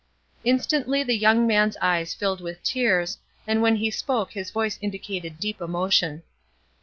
Instantly the young man's eyes filled with tears, and when he spoke his voice indicated deep emotion.